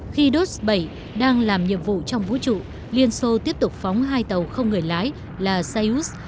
khi dos bảy đang làm nhiệm vụ trong vũ trụ liên xô tiếp tục phóng hai tàu không người lái là seouth